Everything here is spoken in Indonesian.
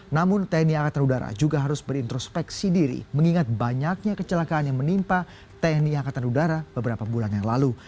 namun tni angkatan udara juga harus berintrospeksi diri mengingat banyaknya kecelakaan yang menimpa tni angkatan udara beberapa bulan yang lalu